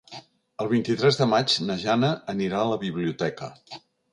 El vint-i-tres de maig na Jana anirà a la biblioteca.